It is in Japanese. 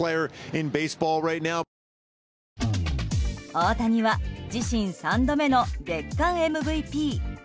大谷は自身３度目の月間ＭＶＰ。